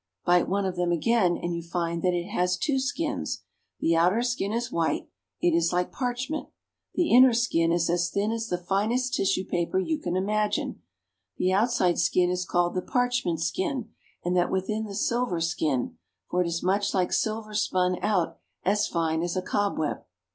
Bite one of them again and Drying Coffee. you find that it has two skins. The outer skin is white. It is like parchment. The inner skin is as thin as the finest tissue paper you can imagine. The outside skin is called the parchment skin, and that within the silver skin, for it is much like silver spun out as fine as a cobweb.